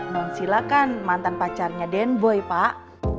nansila kan mantan pacarnya denboy pak